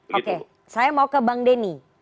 oke saya mau ke bang denny